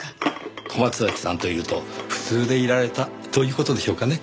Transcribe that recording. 小松崎さんといると普通でいられたという事でしょうかね。